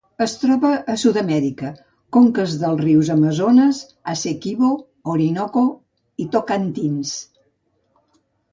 Es troba a Sud-amèrica: conques dels rius Amazones, Essequibo, Orinoco i Tocantins.